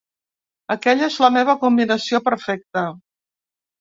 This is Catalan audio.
Aquella és la meva combinació perfecta.